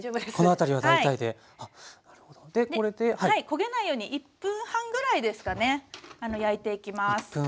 焦げないように１分半ぐらいですかね焼いていきます。